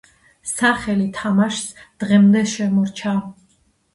სახელი თამაშს დღემდე შემორჩა.